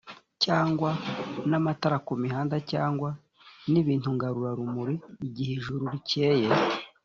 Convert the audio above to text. cyangwa n amatara ku mihanda cyangwa n ibintu ngarurarumuri igihe ijuru rikeye